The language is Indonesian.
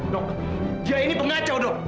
dok dia ini pengacau dok